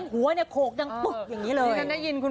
คืออะไรคะ